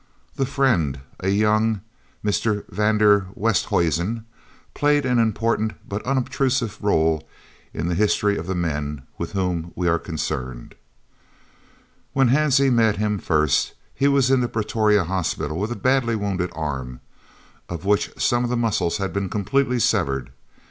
This friend, a young Mr. van der Westhuizen, played an important but unobtrusive rôle in the history of the men with whom we are concerned. When Hansie met him first he was in the Pretoria hospital with a badly wounded arm, of which some of the muscles had been completely severed.